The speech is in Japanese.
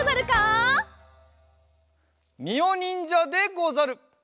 みおにんじゃでござる！